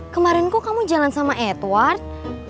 kemarin kok kamu jalan sama edward